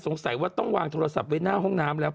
สงสัยว่าต้องวางโทรศัพท์ไว้หน้าห้องน้ำแล้ว